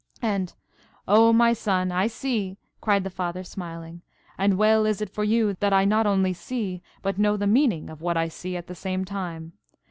And, "Oh, my son, I see!" cried the Father, smiling; "and well is it for you that I not only see, but know the meaning of what I see at the same time.